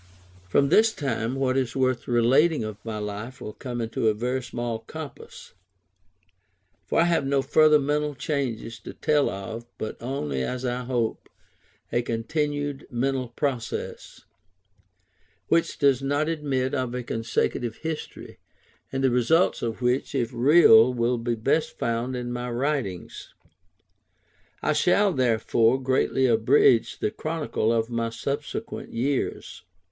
From this time, what is worth relating of my life will come into a very small compass; for I have no further mental changes to tell of, but only, as I hope, a continued mental progress; which does not admit of a consecutive history, and the results of which, if real, will be best found in my writings. I shall, therefore, greatly abridge the chronicle of my subsequent years.